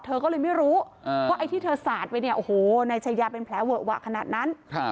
เธอก็เลยไม่รู้ว่าไอ้ที่เธอสาดไปเนี่ยโอ้โหนายชายาเป็นแผลเวอะหวะขนาดนั้น